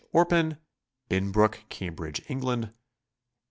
Orpen, Binnbrooke, Cambridge, England.